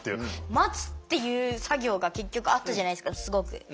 待つっていう作業が結局あったじゃないですかすごく。